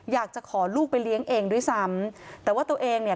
อยากจะขอลูกไปเลี้ยงเองด้วยซ้ำแต่ว่าตัวเองเนี่ย